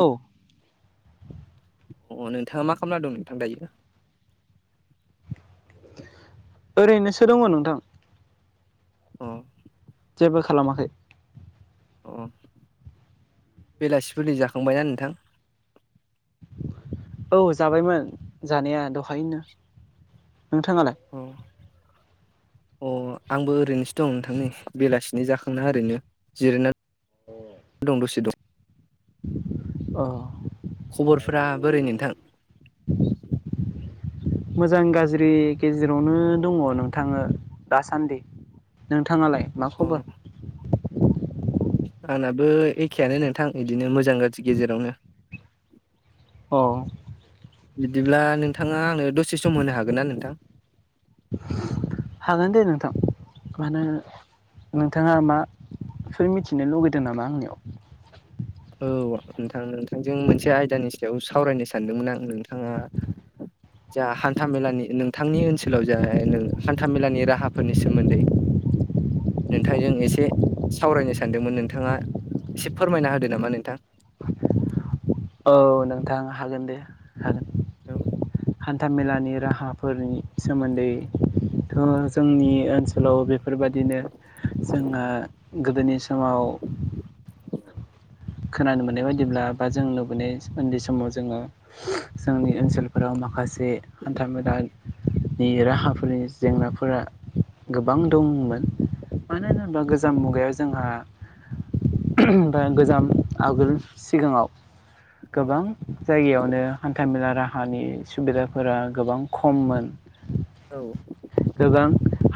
औ अ नोंथाङा मा खालामना दं नोंथां दायो ओरैनोसो दङ नोंथां अ जेबो खालामाखै अ बेलासिफोरनि जाखांबायना नोंथां? औ जाबायमोन जानाया दहायैनो। नोंथाङालाय? अ [inaudible] अ आंबो ओरैनोसो दं नोंथांनि बेलासिनि जाखांना ओरैनो जिराय दं दसे दं औ खबरफोरा बोरै नोंथां [inaudible] मोजां गाज्रि गेजेरावनो दङ नोंथां दासान्दि नोंथाङालाय मा अ खबर आंनाबो एखेआानो नोंथां बिदिनो मोजां गाज्रि गेजेरावनो अ बिदिब्ला नोंथाङा आंनो दसे सम होनो हागोन ना नोंथां हागोन दे नोंथां मानो नोंथाङा मा सोर मिथिनो लुगैदों नामा आंनाव औ नोंथां नोंथांजों मोनसे आयदानि सायाव सावरायनो सानदोंमोन आंनो आंङो जा हान्था मेलानि नोंथांनि ओनसोलाव जा नो हान्था मेलानि राहाफोरनि सोमोन्दै [inaudible] नोंथांजों एसे सावरायनो सानदोंमोन नोंथांङा एसे फोरमायना होदो नामा नोंथां औ नोंथां हागोन दे हागोन औ हान्था मेलानि राहाफोरनि सोमोन्दै थ' जोंनि ओनसोलाव बे बेफोरबायादिनो जोंना गोदोनि समाव खोनानो मोननाय बायदिब्ला बा जों नुबोननाय उन्दै समाव जोंङो जोंनि ओनसोल फोराव माखासे हान्था मेलानि राहाफोरनि जेंनाफोरा गोबां दंमोन मानो होनोब्ला गोजाम मुगायाव जोंहा ओम गोजाम आगोलनि सिगांङाव औ गोबां जायगायावनो हान्था मेला राहानि सुबिदाफोरा गोबां खममोन औ गोबां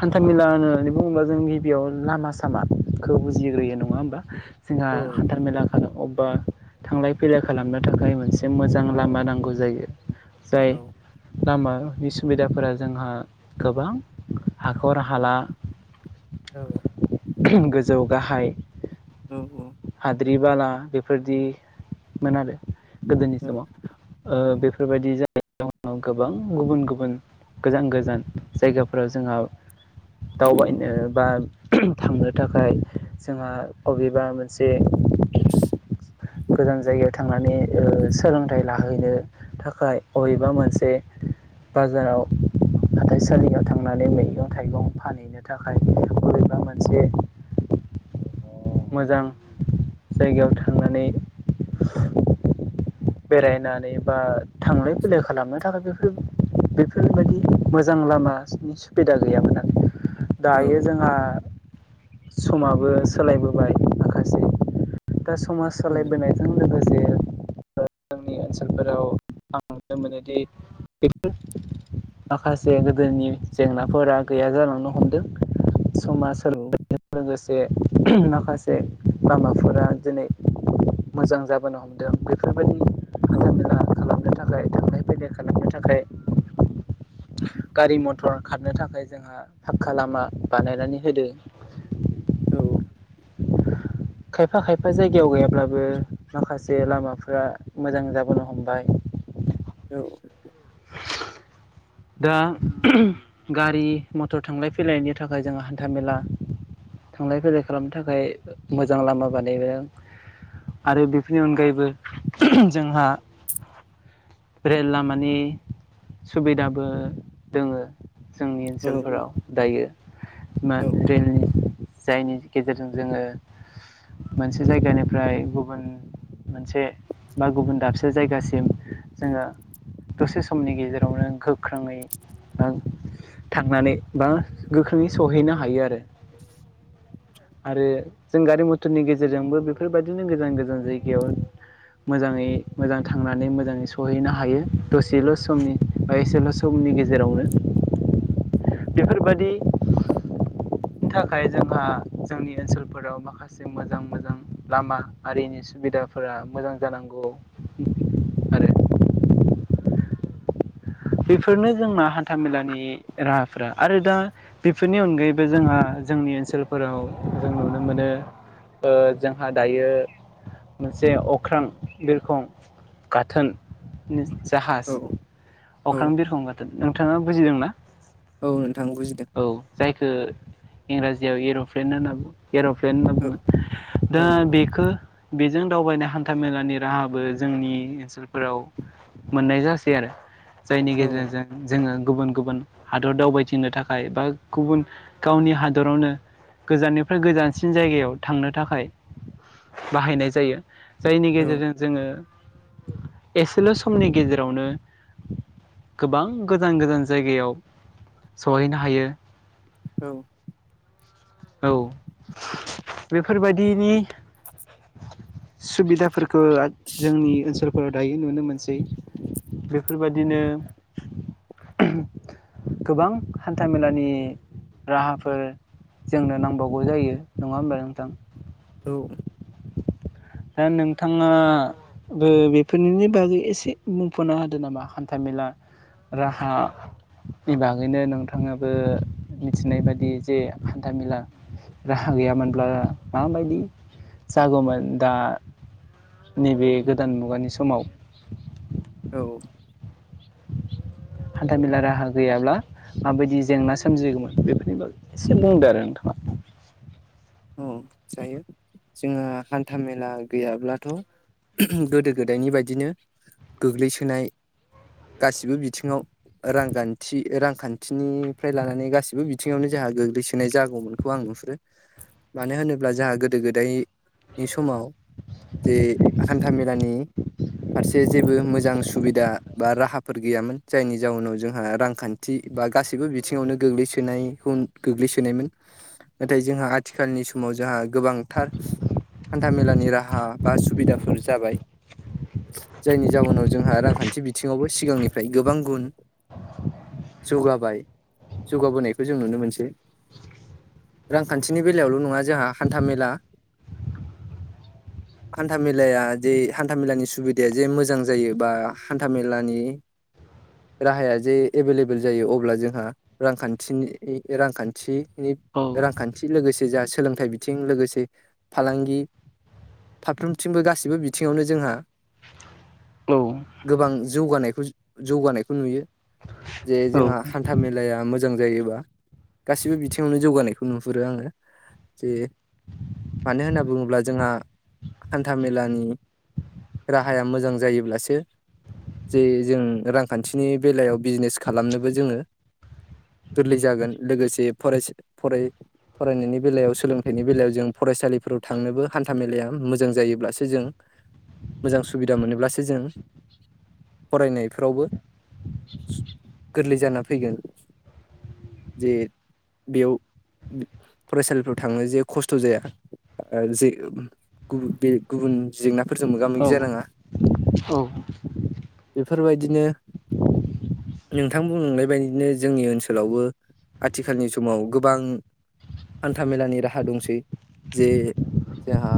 हान्थामेला होननानै बुङोब्ला जों गिबियाव लामा सामा खौ बुजिग्रोयो नङा होमबा जोंहा औ हान्थाल नोंथां मेला अबा थांलाय फैलाय खालामनो थाखाय मोनसे मोजां लामा नांगौ जायो जाय औ लामानि सुबिदाफोरा जोंहा गोबां हाखर हाला औ गोजौ गाहाय औ औ बे बाला बेफोरदिमोन आरो गोदोनि औ उम औ औ समाव बेफोरबायदि गोबां गुबुन गुबुन गोजान गोजान जायगाफोराव जोंहा दावबायनो बा थांनो थाखाय जोंहा अबेबा मोनसे गोजान जायगायाव थांनानै सोलों फिथाय लाहैनो थाखाय बबेबा मोनसे बाजाराव हाथाइसालियाव थांनानै मैगं थाइगं फानहनो नो थाखाय बोरैबा मोनसे मोजां जायगायाव थांनानै बेरायनानै बा थांलाय फैलाय खालामनो थाखाय बेफोर बेफोर बायदि मोजां लामानि सुबिदा गैयामोन आरो औ दायो जोंहा समाबो सोलायबोबाय माखासे दा समा सोलायबोनाय बे जों लोगोसे जोंनि ओनसोलफोराव आं नुनो मोनोदि [unintelligible] माखासे गोदोनि जेंनाफोरा गैया जालांनो हमदों। समाज सोलोंनायजों लोगोसे माखासे लामाफोरा दिनै मोजां जाबोनो हमदों बेफोरबायदि औ हान्थामेला खालामनो थाखाय थांलाय फैलाय खालामनो थाखाय गारि मथर खारनो थाखाय जोंहा फाखका लामा बानायनानै होदो। औ खायफा खायफा जायगा [unintelligible] याव गैयाब्लाबो माखासे लामाफोरा मोजां जाबोनो हमबाय। औ दा गारि मथर थांलाय फैलायनि थाखाय जोंहा हान्था-मेला थांलाय फैलाय खालामनो थाखाय मोजां लामा बानायदों। आरो बेफोरनि अनगायैबो जोंहा रेल लामानि सुबिदाबो दोङो। जोंनि ओनसोलफोराव दायो इमान रेलनि जायनि गेजेरजों जोङो से जायगानिफ्राय गुबुन मोनसे बा गुबुन दाबसे जायगासिम जोङो दसे समनि गेजेरावनो गोख्रोङै आ थांनानै बा गोख्रोङै सहैनो हायो आरो। आरो जों गारि मथरनि गेजेरजोंबो बेफोरबायदिनो गोजान गोजान जायगायाव मोजाङै मोजां थांनानै मोजाङै सहैनो हायो दसेल' समनि एसेल' समनि गेजेरावनो बेफोरबादि नि थाखाय जोंहा जोंनि ओनसोलफोराव माखा माखासे मोजां मोजां लामा आरिनि सुबिदाफोरा मोजां जानांगौ। आरो बेफोरनो जोंना हान्था मेलानि राहाफ्रा आरो दा बेफोरनि अनगायैबो जोंहा जोंनि ओनसोलफोराव जों नुनो मोनो। ओ जोंहा दायो मोनसे अख्रां बिरखं गाथोन नि जाहाज औ अख्रां औ बिरखं गाथोन नोंथाङा बुजिदोंना? औ नोंथां बुजिदों। औ जायखो इंराजियाव इर'फ्लेन होनना एर'फ्लेन होनना औ बुङो। औ दा बेखो बेजों दावबायनाय हान्था मेलानि राहाबो जोंनि ओनसोलफोराव मोननाय जासै आरो जायनि औ गेजेरजों जोङो गुबुन गुबुन हादर दावबायथिंनो थाखाय बा गुबुन गावनि हादरावनो गोजाननिफ्राय गोजानसिन जायगायाव थांनो थाखाय बाहायनाय जायो। जायनि औ गेजेरजों जोङो एसेल' समनि गेजेरावनो गोबां गोजान गोजान जायगायाव सहैनो हायो। औ औ बेफोरबायदिनि सुबिदाफोरखो आ जोंनि ओनसोलफोराव दायो नुनो मोनसै। बेफोरबायदिनो गोबां हान्था-मेलानि राहाफोर जोंनो नांबावगौ जायो नङा होमबा नोंथां? दा नोंथाङा ओ बेफोरनिनो बागै एसे बुंफोरना होदो नामा हान्था-मेला राहा नि बागैनो नोंथाङाबो मिथिनाय बादि जे हान्था मेला राहा गैयामोनब्ला माबायदि जागौमोन दा नैबे गोदान मुगानि समाव औ हान्था-मेला राहा गैयाब्ला माबायदि जेंना सोमजिगौमोन बेफोरनि बागै एसे बुंदो आरो नोंथाङा औ जायो जोंहा हान्थ- मेला गैयाब्लाथ' गोदो-गोदायनि बायदिनो गोग्लैसोनाय गासिबो बिथिङाव रांगान्थि रांखान्थिनिफ्राय लानानै गासिबो बिथिङावनो जाहा गोग्लैसोनाय जागौमोन खौ आं नुहुरो मानो होनोब्ला जाहा गोदो-गोदायनि समाव जे हान्था-मेलानि फारसे जेबो मोजां सुबिदा बा राहाफोर गैयामोन जायनि जाउनाव जोंहा रांखान थि बा गासैबो बिथिङावनो गोग्लैसोनाय गोग्लैसोनायमोन नाथाय जोंहा आथि आथिखालनि समाव जोंहा गोबांथार हान्था मेलानि राहा बा सुबिदाफोर जाबाय जायनि जाउनाव जोंहा रांखान्थि बिथिङावबो सिगांनिफ्राय गोबां गुन जौगाबाय जौगाबोनायखौ जों नुनो मोनसै रांखान्थि खान्थिनि बेलायावल' नङा जोंहा हान्थामेला [inaudible] हान्था मेलाया जे हान्था मेलानि सुबिदाया जे मोजां जायो बा हान्था मेलानि [inaudible] राहाया जे एभेलेबेल जायो अब्ला जोंहा रांखान्थिनि रांखान्थिनि औ रांखान्थि लोगोसे जाहा सोलोंथाइ बिथिं लोगोसे फालांगि फारफ्रोमथिंबो गासिबो बिथिङावनो जोंहा गोबां जौगानायखौ जौगानायखौ नुयो जे औ जोंहा हान्था मेलाया मोजां जायोबा गासिबो बिथिङावनो जौगानायखौ नुयो हुरो आरो जे मानो होनना बुङोब्ला जोंहा हान्था-मेलानि राहाया मोजां जायोब्लासो जे जों रांखान्थिनि बेलायाव बिजनेस खालामनोबो जोङो गोरलै जागोन लोगोसे फरायसा फराय फरायनायनि बेलायाव सोलोंथाइनि बेलायाव जों फरायसालिफोराव थांनोबो हान्था मेलाया मोजां जायोब्लासो जों मोजां सुबिदा मोनोब्लासो जों फरायनायफोरावबो गोरलै जाना फैगोन जे बेयाव फरायसालिफ्राव थाङो जे खस्थ' जाया जायफोर गुबुन जेंनाफोरजों मोगा औ मोगि जानाङा औ बेफोरबायदिनो नोंथां बुंलांनाय बायदिनो जोंनि ओनसोलावबो आथिखालनि समाव गोबां हान्थामेलानि राहा दंसै जे जोंहा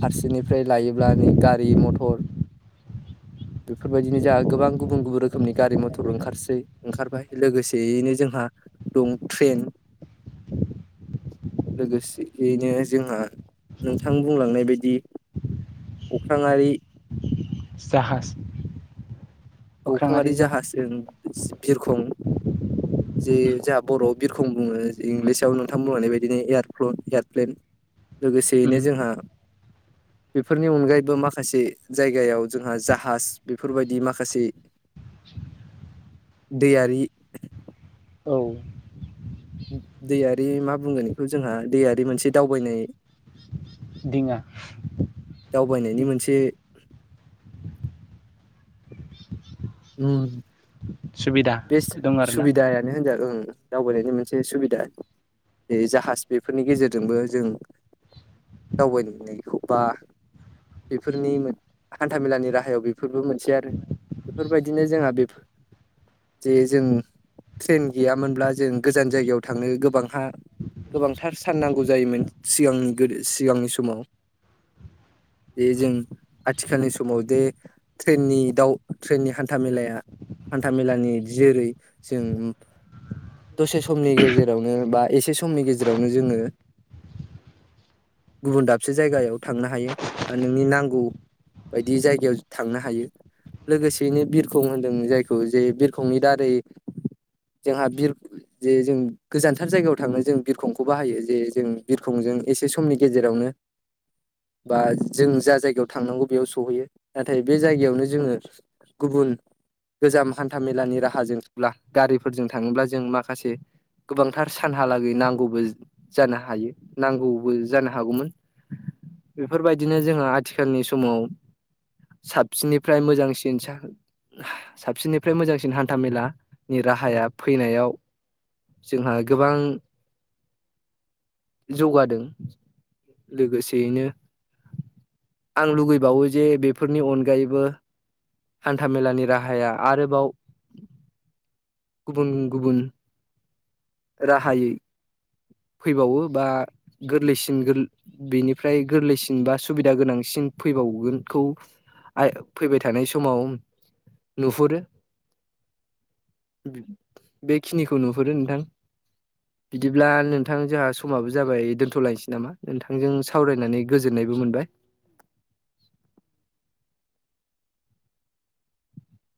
फारसेनिफ्राय लायोब्ला नै गारि मथर [inaudible] बेफोरबायदिनो जोंहा गोबां गुबुन गुबुन रोखोमनि गारि मथर ओंखारसै ओंखारबाय लोगोसेयैनो जोंहा दं ट्रेन लोगोसेनो जोंहा नोंथां बुंलांनाय बायदि अख्रांङारि जाहास अख्राङारि जाहाजजों बिरखं [unintelligible] जे जोंहा बर'वाव बिरखं बुङो इंलिसाव नोंथांमोन बुंलांनाय बायदिनो एयारफ्लन एयारप्लेन उम लोगोसेयैनो जोंहा बेफोरनि अनगायैबो माखासे जायगायाव जोंहा जाहाज बेफोरबादि माखासे दैयारि औ। दैयारि मा बुंगोन बेखौ जोंहा दैयारि मोनसे दावबायनाया दिङा दावबायनायनि मोनसे ओम सुबिदा बे दं आरोना सुबिदायानो होनजागोन दावबायनायनि मोनसे सुबिदा जे जाहाज बेफोरनि गेजेरजोंबो जों दावबायनो मोननायखौ बा बेफोरनि हान्थाामेलानि राहायाव बेफोरबो मोनसे आरो। बेफोरबायदिनो जोंहा बेफोर जे जों ट्रेन गैयामोनब्ला जों गोजान जायगायाव थांनो गोबांहा गोबांथार सान नांगौ जायोमोन सिगांनि गोदो सिगांनि समावो जे जों आथिखालनि समाव जे ट्रेननि दाउनि ट्रेननि हान्था मेलाया हान्था मेलानि जेरै जोंङो दसे समनि गेजेरावनो बा एसे समनि गेजेरावनो जोङो। गुबुन दाबसे जायगायाव थांनो हायो नोंनि नांगौ। बायदि जायगायाव जों थांनो हायो। लोगोसेयैनो बिरखं होनदों जायखौ जे बिरखंनि दारै जोंहा बिरो जे जों गोजानथार जायगायाव थांनानै जों बिरखंखौ बाहायो जे जों बिरखंजों एसे समनि गेजेरावनो [inaudible] बा जों जा जायगायाव थांनांगौ बेयाव सहैयो नाथाय बे जायगायावनो जोङो। गुबुन गोजाम हान्था मेलानि राहाजोंब्ला गारिफोरजों थाङोब्ला जों माखासे गोबांथार सानहालागै नांगौबो जानो हायो नांगौबो जानो हागौमोन। बेफोरबायदिनो जोंहा आथिखालनि समाव साबसिननिफ्राय मोजांसिन। साबसिननिफ्राय मोजांसिन हान्थामेलानि राहाया फैनायावो जोंहा गोबां जौगादों लोगोसेयैनो आं लुगैबावो दि बेफोरनि अनगायैबो हान्था मेलानि राहाया आरोबाव गुबुन गुबुन राहायै फैबावो बा ओ गोरलैसिन गोर बेनिफ्राय गोरलैसिन बा सुबिदा गोनांसिन फैबावगोनखौ। आ फैबाय थानाय समाव नुहुरो। बेखिनिखौ नुहुरो नोंथां। [inaudible] बिदिब्ला नोंथां जोंहा समाबो जाबाय दोन्थ'लायनोसै नामा नोंथांजों सावरायनानै गोजोननायबो मोनबाय।